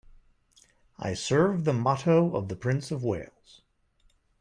I serve the motto of the Prince of Wales.